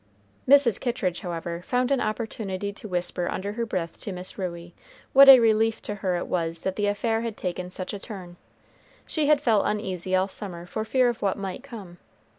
Mrs. Kittridge, however, found an opportunity to whisper under her breath to Miss Ruey what a relief to her it was that the affair had taken such a turn. She had felt uneasy all summer for fear of what might come.